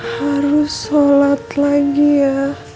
harus shalat lagi ya